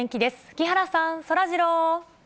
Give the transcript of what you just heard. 木原さん、そらジロー。